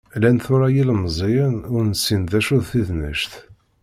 Llan tura yilemẓiyen ur nessin d acu d tidnect.